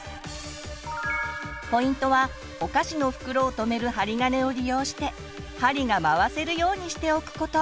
ポイントはお菓子の袋をとめる針金を利用して針が回せるようにしておくこと。